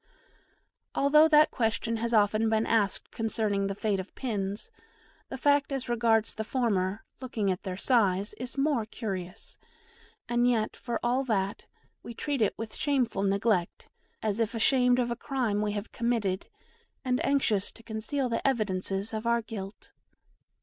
Although that question has often been asked concerning the fate of pins, the fact as regards the former, looking at their size, is more curious and yet, for all that, we treat it with shameful neglect, as if ashamed of a crime we have committed and anxious to conceal the evidences of our guilt.